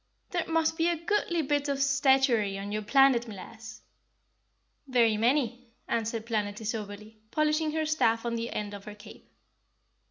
"There must be a goodly bit of statuary on your planet, m'lass?" "Very many," answered Planetty soberly, polishing her staff on the end of her cape.